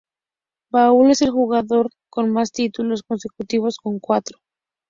Paul es el jugador con más títulos consecutivos, con cuatro.